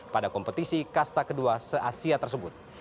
pada kompetisi kasta kedua se asia tersebut